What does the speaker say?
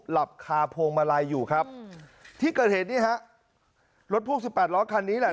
หลับคาพวงมาลัยอยู่ครับที่เกิดเหตุนี่ฮะรถพ่วง๑๘ล้อคันนี้แหละ